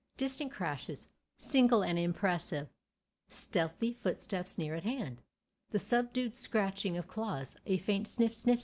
Distant crashes, single and impressive; stealthy footsteps near at hand; the subdued scratching of claws; a faint sniff! sniff!